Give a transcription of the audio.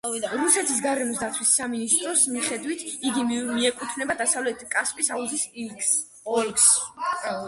რუსეთის გარემოს დაცვის სამინისტროს მიხედვით, იგი მიეკუთვნება დასავლეთ კასპიის აუზის ოლქს.